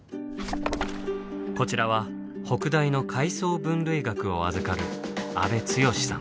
こちらは北大の海藻分類学をあずかる阿部剛史さん。